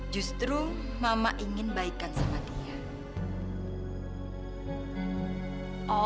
justru mama ingin baikan sama dia